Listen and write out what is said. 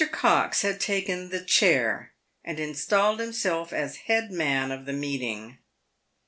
Cox had taken " the chair," and installed himself as head man of the meeting.